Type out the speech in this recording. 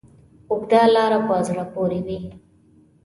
اوږده لاره په زړه پورې وي.